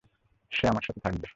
সে আমার সাথে থাকবে।